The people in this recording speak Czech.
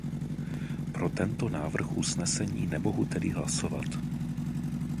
Pro tento návrh usnesení nemohu tedy hlasovat.